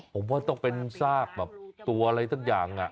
ผมว่าต้องเป็นซากแบบตัวอะไรสักอย่าง